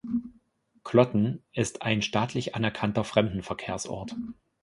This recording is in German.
Klotten ist ein staatlich anerkannter Fremdenverkehrsort.